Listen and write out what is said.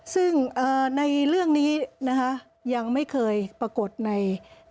ซึ่งในเรื่องนี้นะคะยังไม่เคยปรากฏใน